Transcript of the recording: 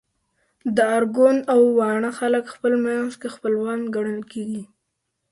د ارګون او واڼه خلک خپل منځ کي خپلوان ګڼل کيږي